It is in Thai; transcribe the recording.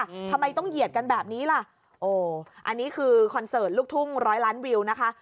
ทำไมต้องเหยียดกันแบบนี้ล่ะโอ้อันนี้คือคอนเสิร์ตลูกทุ่งร้อยล้านวิวนะคะ